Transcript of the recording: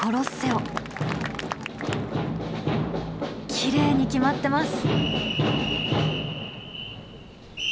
きれいに決まってます。